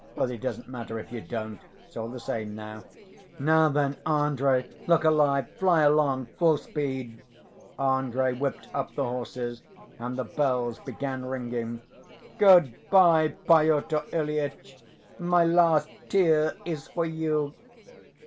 But it doesn't matter if you don't. It's all the same now. Now then, Andrey, look alive, fly along full speed!" Andrey whipped up the horses, and the bells began ringing. "Good‐by, Pyotr Ilyitch! My last tear is for you!..."